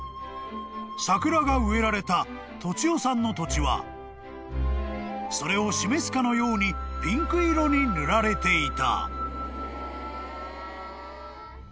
［桜が植えられた栃尾さんの土地はそれを示すかのようにピンク色に塗られていた］